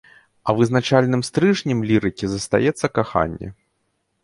А вызначальным стрыжнем лірыкі застаецца каханне.